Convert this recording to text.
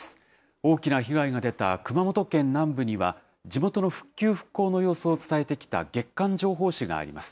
大きな被害が出た熊本県南部には、地元の復旧・復興の様子を伝えてきた月刊情報誌があります。